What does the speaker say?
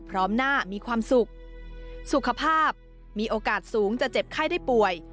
พร้อมหน้ามีความสุขสุขภาพมีโอกาสสูงจะเจ็บไข้ได้ป่วย